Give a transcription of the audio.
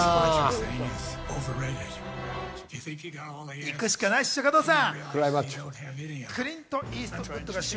行くしかないっしょ、加藤さん。